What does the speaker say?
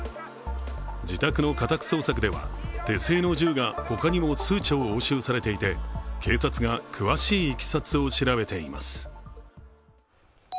自宅の家宅捜索では、手製の銃が他にも数丁押収されていて警察が詳しいいきさつを調べています。